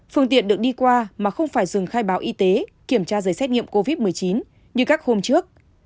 phương tiện được đi qua mà không phải dừng khai báo y tế kiểm tra giấy xét nghiệm covid một mươi chín như các hôm trước